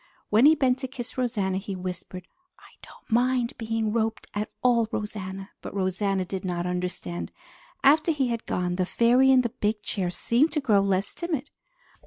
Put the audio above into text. When he bent to kiss Rosanna, he whispered, "I don't mind being roped at all, Rosanna!" but Rosanna did not understand. After he had gone, the fairy in the big chair seemed to grow less timid.